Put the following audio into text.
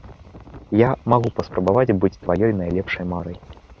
Я магу паспрабаваць быць тваёй найлепшай марай.